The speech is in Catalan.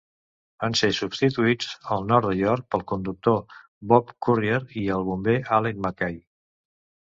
Van ser substituïts al nord de York pel conductor Bob Currie i el bomber Alec Mackay.